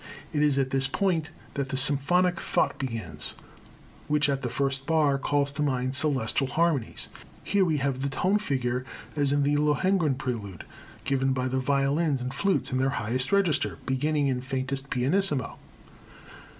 It is at this point that the symphonic thought begins, which at the first bar calls to mind celestial harmonies. Here we have the tone figure, as in the Lohengrin Prelude, given by the violins and flutes in the highest register, beginning in faintest pianissimo.